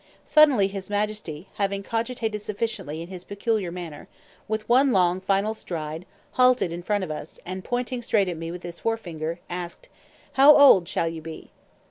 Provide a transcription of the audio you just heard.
Suddenly his Majesty, having cogitated sufficiently in his peculiar manner, with one long final stride halted in front of us, and pointing straight at me with his forefinger, asked, "How old shall you be?"